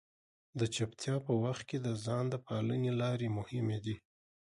د چپتیا په وخت کې د ځان د پالنې لارې مهمې دي.